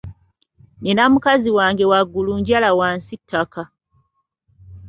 Nina mukazi wange, waggulu njala wansi ttaka.